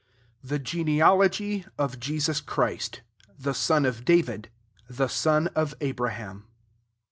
THE genealogy of Jesus Christ, the son of David, the son of Abraham.